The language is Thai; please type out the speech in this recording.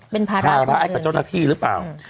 เป็นภาระให้กับเจ้าหน้าที่หรือเปล่า